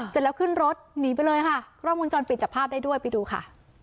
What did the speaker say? เสร็จแล้วขึ้นรถหนีไปเลยค่ะกล้องวงจรปิดจับภาพได้ด้วยไปดูค่ะ